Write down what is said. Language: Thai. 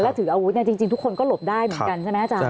แล้วถืออาวุธเนี่ยจริงทุกคนก็หลบได้เหมือนกันใช่ไหมอาจารย์